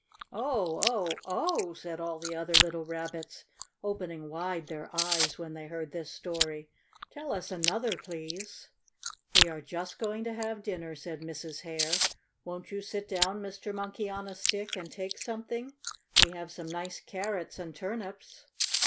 "Oh! Oh! Oh!" said all the other little Rabbits, opening wide their eyes when they heard this story. "Tell us another, please!" "We are just going to have dinner," said Mrs. Hare. "Won't you sit down, Mr. Monkey on a Stick, and take something? We have some nice carrots and turnips."